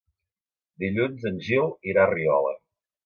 Dilluns en Gil irà a Riola.